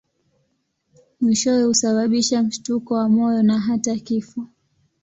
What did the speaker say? Mwishowe husababisha mshtuko wa moyo na hata kifo.